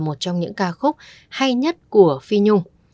một trong những ca khúc hay nhất của phi nhung